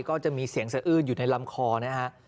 ก็จะมีเสียงสะอื้นอยู่ในลำคอนะฮะ